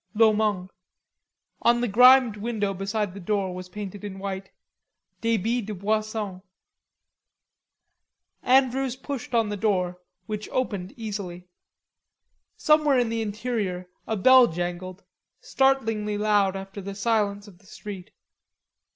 Lhomond." On the grimed window beside the door, was painted in white: "Debit de Boissons." Andrews pushed on the door, which opened easily. Somewhere in the interior a bell jangled, startlingly loud after the silence of the street.